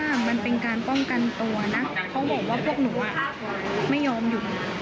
เขาบอกว่าพวกหนูไม่ยอมอยู่